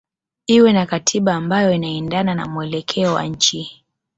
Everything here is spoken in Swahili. iwe na katiba ambayo inaendana na mwelekeo wa nchi